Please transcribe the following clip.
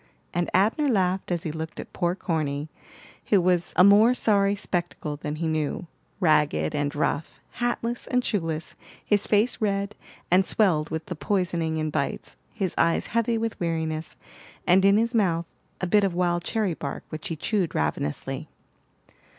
and Abner laughed as he looked at poor Corny, who was a more sorry spectacle than he knew, ragged and rough, hatless and shoeless, his face red and swelled with the poisoning and bites, his eyes heavy with weariness, and in his mouth a bit of wild cherry bark which he chewed ravenously.